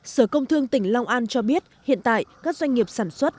sở công thương tỉnh long an cho biết hiện tại các doanh nghiệp sản xuất